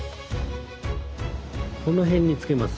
この辺につけます。